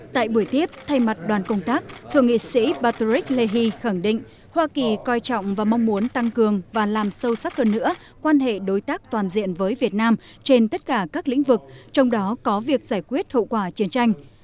tại buổi tiếp thay mặt đoàn công tác thượng nghị sĩ patrick lehy khẳng định hoa kỳ coi trọng và mong muốn tăng cường và làm sâu sắc hơn nữa quan hệ đối tác toàn diện với việt nam trên tất cả các lĩnh vực trong đó có việc giải quyết hậu quả chiến tranh